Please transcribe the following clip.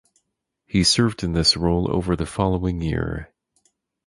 He served in this role over the following year.